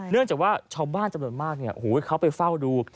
เนื่องจากว่าชาวบ้านจำนวนมากเขาไปเฝ้าดู